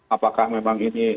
apakah memang ini